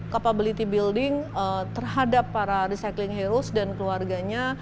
capability building terhadap para recycling heroes dan keluarganya